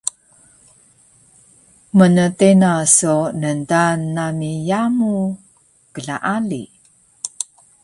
mntena so ndaan nami yamu klaali